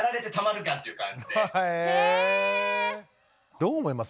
どう思います？